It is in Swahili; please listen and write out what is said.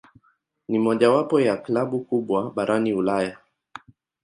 Ni mojawapo ya klabu kubwa barani Ulaya.